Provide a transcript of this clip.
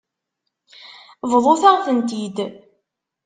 Bḍut-aɣ-tent-id.